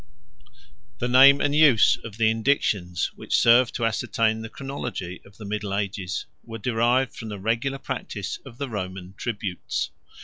The name and use of the indictions, 170 which serve to ascertain the chronology of the middle ages, were derived from the regular practice of the Roman tributes.